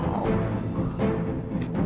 kau balik lagi sih